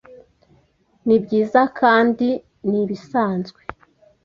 Nibyiza kandi nibisanzwe.